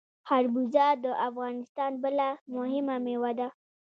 خربوزه د افغانستان بله مهمه میوه ده.